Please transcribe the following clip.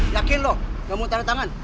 yakin lo nggak mau tanda tangan